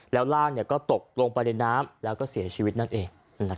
แล้วร่างก็ตกลงไปในน้ำแล้วก็เสียชีวิตนั่นเอง